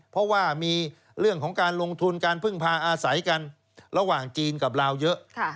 เพราะว่ามีเรื่องของการลงทุนการพึ่งพาอาศัยกันระหว่างจีนกับลาวเยอะ